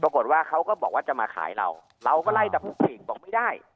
ปรากฏว่าเขาก็บอกว่าจะมาขายเราเราก็ไล่ตะพุกสิกบอกไม่ได้